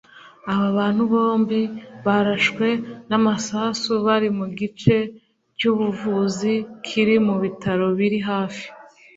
aba bantu bombi barashwe n'amasasu bari mu gice cy'ubuvuzi kiri mu bitaro biri hafi